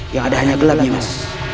yang ada hanya gelap jimas